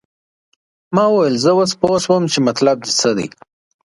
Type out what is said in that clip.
ما وویل زه اوس پوه شوم چې مطلب دې څه دی.